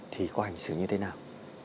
thì có hành xử như thế nào